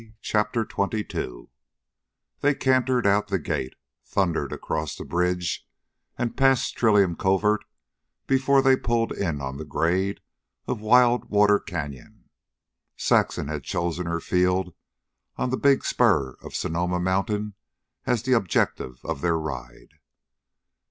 CHAPTER XXII They cantered out the gate, thundered across the bridge, and passed Trillium Covert before they pulled in on the grade of Wild Water Canyon. Saxon had chosen her field on the big spur of Sonoma Mountains as the objective of their ride.